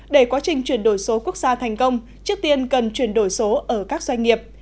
để quá trình chuyển đổi số quốc gia thành công trước tiên cần chuyển đổi số ở các doanh nghiệp